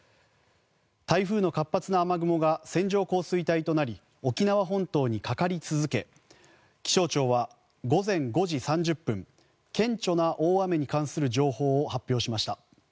台風の活発な雨雲が線状降水帯となり沖縄本島にかかり続け気象庁は午前５時３０分顕著な大雨に関する情報を発表しました。